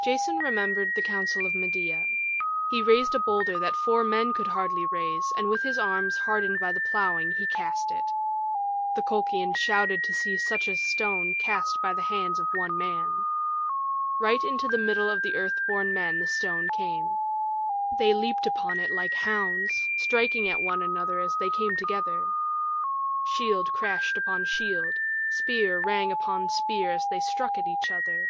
Jason remembered the counsel of Medea. He raised a boulder that four men could hardly raise and with arms hardened by the plowing he cast it. The Colchians shouted to see such a stone cast by the hands of one man. Right into the middle of the Earth born Men the stone came. They leaped upon it like hounds, striking at one another as they came together. Shield crashed on shield, spear rang upon spear as they struck at each other.